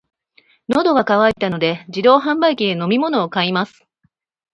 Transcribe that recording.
喉が渇いたので、自動販売機で飲み物を買います。